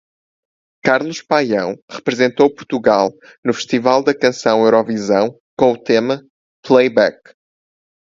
Carlos Paião representou Portugal no Festival da Canção Eurovisão com o tema "Playback".